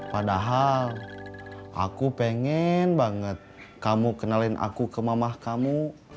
padahal aku pengen banget kamu kenalin aku ke mamah kamu